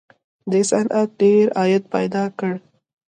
دې صنعت ډېر عاید پیدا کړ